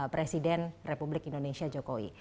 presiden republik indonesia jokowi